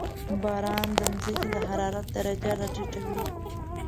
• باران د زمکې د حرارت درجه راټیټوي.